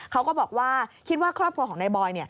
เขาก็บอกว่าคิดว่าครอบครัวของนายบอย